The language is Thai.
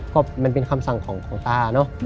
ก็มันเป็นคำสั่งของตาเนอะ